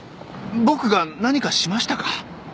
僕が何かしましたか？